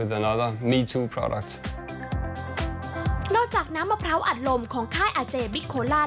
ยังมีอันนี้